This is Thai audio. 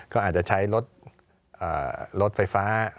ก็อาจจะใช้รถไฟฟ้า